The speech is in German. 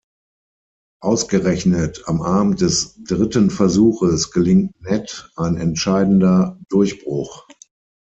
Ausgerechnet am Abend des dritten Versuches gelingt Ned ein entscheidender Durchbruch.